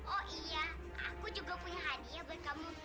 oh iya aku juga punya hadiah buat kamu